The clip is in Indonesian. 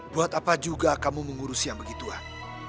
buat apa juga kamu mengurus yang begituan